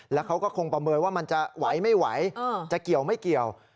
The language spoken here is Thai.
แล้วเขาก็คงประเมินว่ามันจะไหวไม่ไหวจะเกี่ยวไม่เกี่ยว